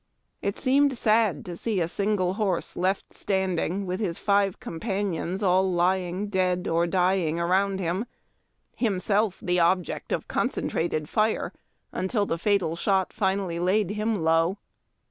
It seemed sad to see a single horse left standing, with his five compan ions all lying dead or dying around hiin, himself the object of a concentrated fire until the fatal shot finally laid him low.